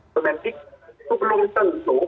pemendik itu belum tentu